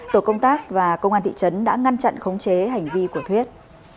tổ công tác và công an thị trấn đã ngăn chặn khống chế hành vi của thuyết